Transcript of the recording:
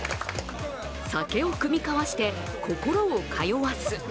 酒を酌み交わして、心を通わす。